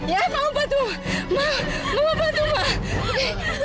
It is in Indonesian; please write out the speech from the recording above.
ya mama bantu mama bantu mama